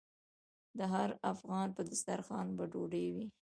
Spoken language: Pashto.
د هر افغان په دسترخان به ډوډۍ وي؟